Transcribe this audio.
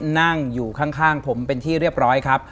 นั่งอยู่ข้างผมเป็นที่เรียบร้อยครับ